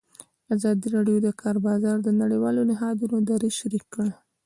ازادي راډیو د د کار بازار د نړیوالو نهادونو دریځ شریک کړی.